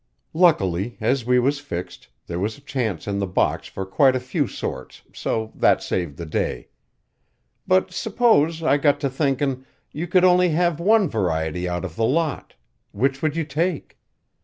"Luckily, as we was fixed, there was a chance in the box for quite a few sorts, so that saved the day. But s'pose, I got to thinkin', you could only have one variety out of the lot which would you take?